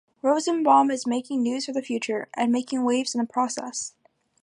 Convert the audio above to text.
Rosenbaum is making news for the future - and making waves in the process.